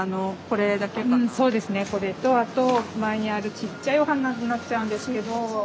これとあと手前にあるちっちゃいお花になっちゃうんですけど。